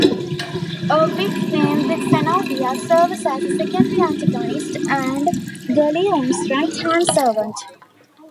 A witch named Xenobia serves as a secondary antagonist and Ghaleon's right hand servant.